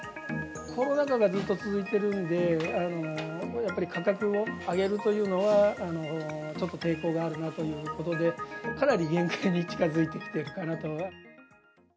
コロナ禍がずっと続いているんで、やっぱり価格を上げるというのはちょっと抵抗があるなということで、かなり限界に近づいてきているかなと。